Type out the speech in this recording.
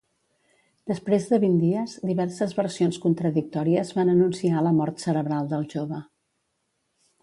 Després de vint dies, diverses versions contradictòries van anunciar la mort cerebral del jove.